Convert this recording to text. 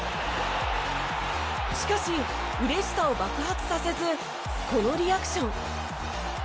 しかし、うれしさを爆発させずこのリアクション。